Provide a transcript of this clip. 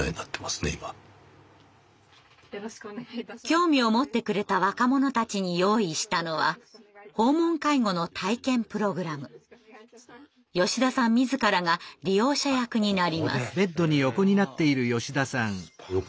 興味を持ってくれた若者たちに用意したのは吉田さん自らが利用者役になります。